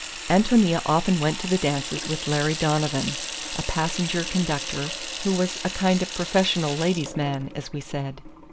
Ántonia often went to the dances with Larry Donovan, a passenger conductor who was a kind of professional ladies' man, as we said.